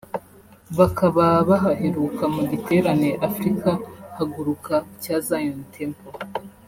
bakaba bahaheruka mu giterane Afrika Haguruka cya Zion Temple